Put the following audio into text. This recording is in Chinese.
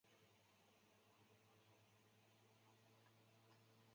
它们主要吃浮游植物及微小浮游生物。